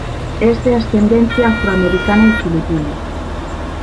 Es de ascendencia afroamericana y filipina.